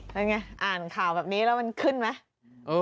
นั่นไงอ่านข่าวแบบนี้แล้วมันขึ้นไหม